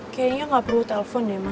kayaknya gak perlu telepon deh ma